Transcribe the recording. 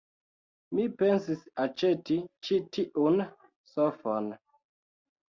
Mi pensis aĉeti ĉi tiun sofon.